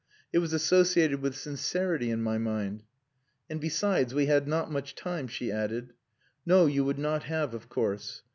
It was associated with sincerity in my mind. "And, besides, we had not much time," she added. "No, you would not have, of course."